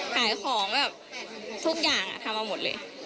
ขายของแบบทุกอย่างทำมาหมดเลย